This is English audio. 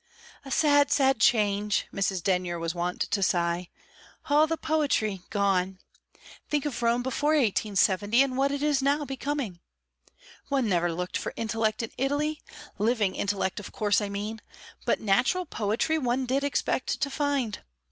"A sad, sad change!" Mrs. Denyer was wont to sigh. "All the poetry gone! Think of Rome before 1870, and what it is now becoming. One never looked for intellect in Italy living intellect, of course, I mean but natural poetry one did expect and find.